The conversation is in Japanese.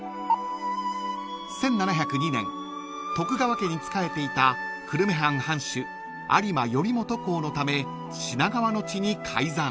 ［１７０２年徳川家に仕えていた久留米藩藩主有馬頼元公のため品川の地に開山］